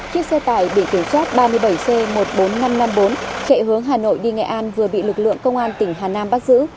chiếc xe tải bị kiểm soát ba mươi bảy c một mươi bốn nghìn năm trăm năm mươi bốn chạy hướng hà nội đi nghệ an vừa bị lực lượng công an tỉnh hà nam bắt giữ